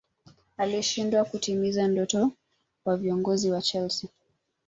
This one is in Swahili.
alishindwa kutimiza ndoto wa viongozi wa chelsea